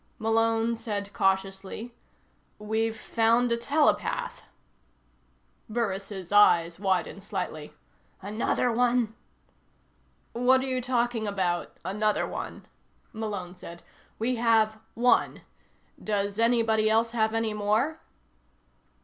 Malone said cautiously: "We've found a telepath." Burris' eyes widened slightly. "Another one?" "What are you talking about, another one?" Malone said. "We have one. Does anybody else have any more?"